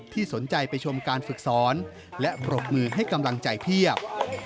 สนใจไปชมการฝึกสอนและปรบมือให้กำลังใจเพียบ